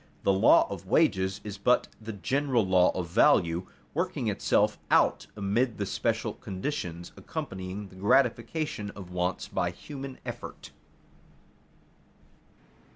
The law of wages is but the general law of value, working itself out amid the special conditions accompanying the gratification of wants by human effort.